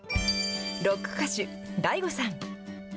ロック歌手、ＤＡＩＧＯさん。